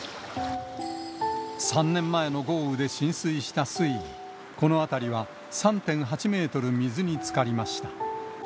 ３年前の豪雨で浸水した水位、この辺りは３．８メートル水につかりました。